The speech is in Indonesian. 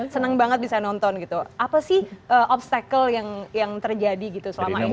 senang banget bisa nonton gitu apa sih obstacle yang terjadi gitu selama ini